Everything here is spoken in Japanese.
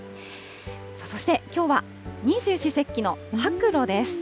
そして、きょうは二十四節気の白露です。